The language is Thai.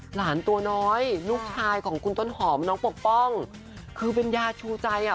หลานตัวน้อยลูกชายของคุณต้นหอมน้องปกป้องคือเป็นยาชูใจอ่ะ